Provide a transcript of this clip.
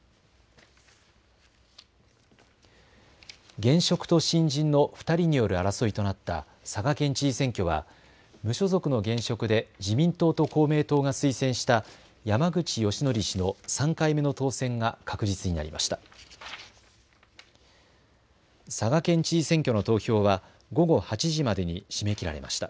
現職と新人の２人による争いとなった佐賀県知事選挙は無所属の現職で自民党と公明党が推薦した山口祥義氏の３回目の当選が確実になりました。